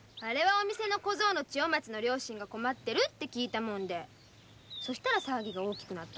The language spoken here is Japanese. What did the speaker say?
お店の千代松の両親が困ってるって聞いたもんでそしたら騒ぎが大きくなって。